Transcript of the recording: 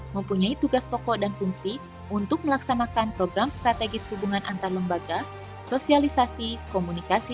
mempunyai tugas pokok dan fungsi untuk melaksanakan program strategis hubungan antar lembaga sosialisasi komunikasi